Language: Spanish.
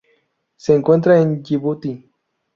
Se encuentra en Yibuti.